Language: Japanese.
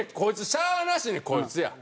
しゃあなしにこいつや」。